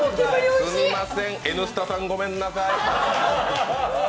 すいません、「Ｎスタ」さんごめんなさい。